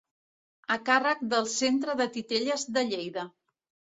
A càrrec del Centre de Titelles de Lleida.